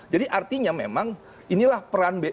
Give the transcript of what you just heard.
jadi artinya memang inilah peran